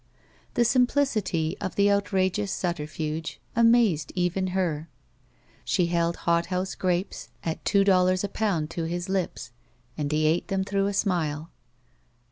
The simplicity of the outrageous subterfuge amazed even her. She held hothouse grapes at two 9S BACK PAY dollars a pound to his lips, and he ate them through a smile.